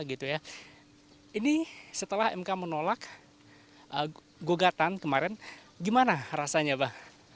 ini setelah mk menolak gogatan kemarin gimana rasanya pak